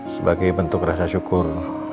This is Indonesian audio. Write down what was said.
sebagai bentuk rasa syukur